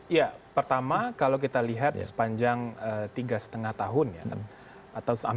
ya pertama kalau kita lihat sepanjang tiga lima tahun ya kan